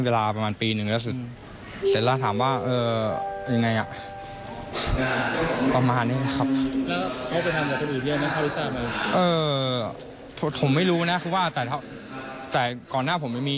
เอ่อแต่ผมไม่อยากให้ใครตกเบ้นเยื่อมเหมือนผม